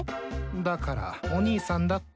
だからお兄さんだって。